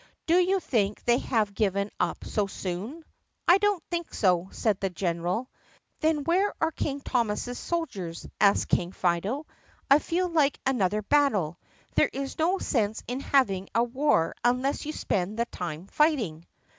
"Do you think they have given up so soon*?" "I don't think so," said the general. "Then where are King Thomas's soldiers?" asked King Fido. "I feel like another battle. There is no sense in hav ing a war unless you spend the time fighting."